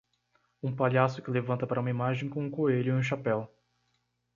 Um palhaço que levanta para uma imagem com um coelho em um chapéu.